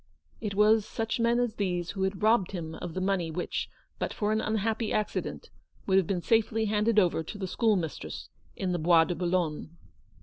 It was such men as these who had robbed him of the money which, but for an unhappy accident, would have been safely handed over to the schoolmistress in the Bois de Boulogne.